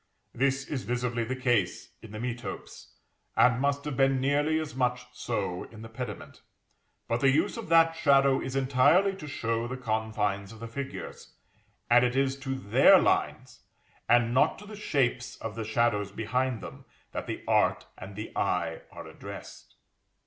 This is visibly the case in the metopes, and must have been nearly as much so in the pediment. But the use of that shadow is entirely to show the confines of the figures; and it is to their lines, and not to the shapes of the shadows behind them, that the art and the eye are addressed.